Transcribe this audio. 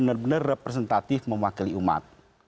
yang memang benar benar representatif mewakili umat